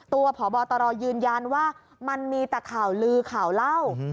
พบตรยืนยันว่ามันมีแต่ข่าวลือข่าวเล่า